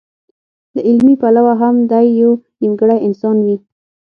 له عملي پلوه هم دی يو نيمګړی انسان وي.